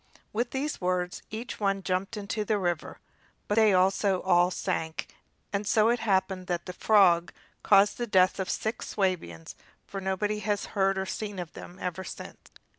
With these words each one jumped into the river, but they also all sank; and so it happened that the frog caused the death of six Swabians, for nobody has heard of or seen them ever since.